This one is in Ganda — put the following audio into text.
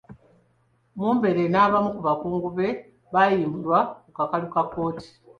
Mumbere n'abamu ku bakungu be baayimbulwa ku kakalu ka kkooti.